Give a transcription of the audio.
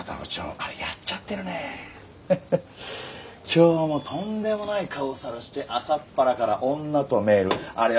今日もとんでもない顔さらして朝っぱらから女とメールあれは。